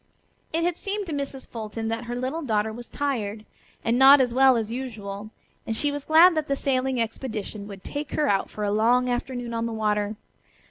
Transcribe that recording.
It had seemed to Mrs. Fulton that her little daughter was tired, and not as well as usual, and she was glad that the sailing expedition would take her out for a long afternoon on the water.